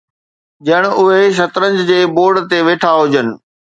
ڄڻ اهي شطرنج جي بورڊ تي ويٺا هجن.